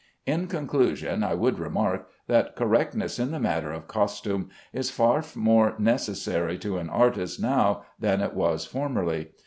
In conclusion, I would remark that correctness in the matter of costume is far more necessary to an artist now than it was formerly.